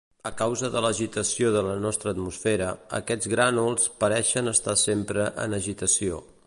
A causa de l'agitació de la nostra atmosfera, aquests grànuls pareixen estar sempre en agitació.